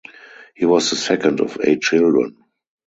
He was the second of eight children.